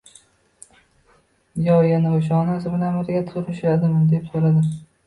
yo yana o'sha onasi bilan birga turishadimi?» — deb so'radi.